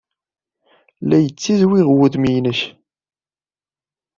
La yettizwiɣ wudem-nnek.